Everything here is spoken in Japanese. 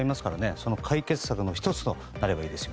その解決策の１つとなればいいですよね。